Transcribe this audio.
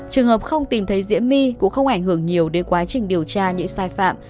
trường hợp không tìm thấy diễm my cũng không ảnh hưởng nhiều đến quá trình điều tra những sai phạm